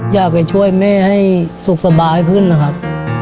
อยากจะช่วยแม่ให้สุขสบายขึ้นนะครับ